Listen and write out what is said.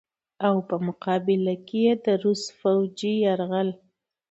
او په مقابله کښې ئې د روس فوجي يرغل